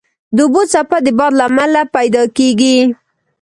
د اوبو څپه د باد له امله پیدا کېږي.